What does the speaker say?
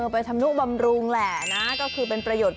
ไปทำนุบำรุงแหละนะก็คือเป็นประโยชน์